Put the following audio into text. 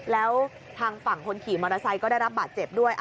แล้วทางฝั่งคนขี่มอเตอร์ไซค์ก็ได้รับบาดเจ็บด้วย